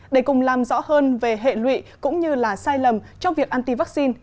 để cùng làm rõ hơn về hệ lụy cũng như là sai lầm trong việc anti vắc xin